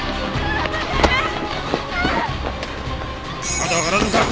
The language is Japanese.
まだわからんのか？